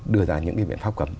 đưa ra những cái biện pháp cấm